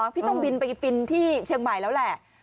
ปิต้องบินพิษี้ช้างใหม่แล้วแหละ